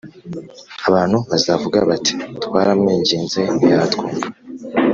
Abantu bazavuga bati twaramwingize ntiyatwumva